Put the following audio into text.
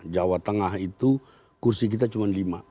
jawa tengah itu kursi kita cuma lima